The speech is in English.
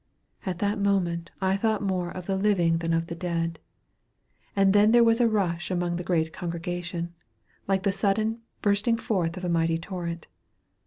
At that moment I thought more of the living than of the dead; and then there was a rush among the great congregation, like the sudden bursting forth of a mighty torrent.